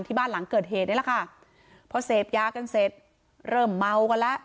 บ้านหลังเกิดเหตุนี่แหละค่ะพอเสพยากันเสร็จเริ่มเมากันแล้ว